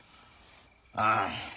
ああ。